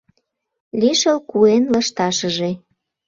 Лишыл куэн лышташыже